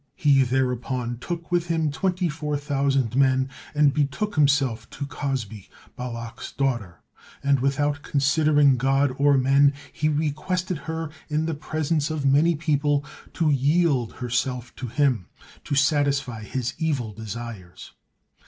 He thereupon took with him twenty four thousand men, and betook himself to Cozbi, Balak's daughter, and without considering God or men, he requested her in the presence of many people to yield herself to him, to satisfy his evil desires.